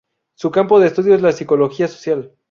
Su campo de estudio es la psicología social.